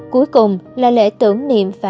cuối cùng là lễ tượng